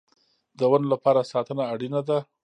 د ونو لپاره ساتنه اړین ده